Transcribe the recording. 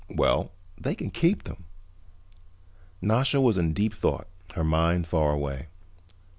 Well, they can keep them." Nasha was deep in thought, her mind far away.